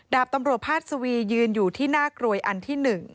ดาบตำรวจพาดสวียืนอยู่ที่หน้ากรวยอันที่๑